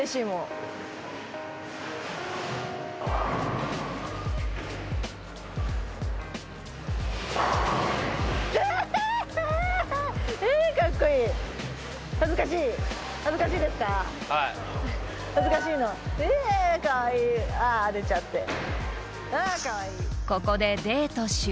［ここでデート終了］